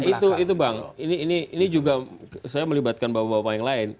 ya itu bang ini juga saya melibatkan bapak bapak yang lain